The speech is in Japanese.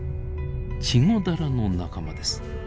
チゴダラの仲間です。